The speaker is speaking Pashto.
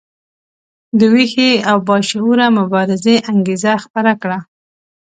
د ویښې او باشعوره مبارزې انګیزه خپره کړه.